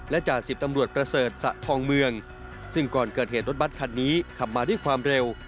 จ่าสิบตำรวจประเสริฐสะทองเมืองซึ่งก่อนเกิดเหตุรถบัตรคันนี้ขับมาด้วยความเร็ว